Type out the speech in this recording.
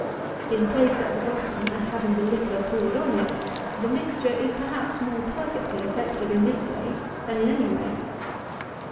Being placed at the bottom, and having the liquor poured on it, the mixture is, perhaps, more perfectly effected in this way than in any way.